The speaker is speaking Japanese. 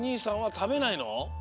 たべない。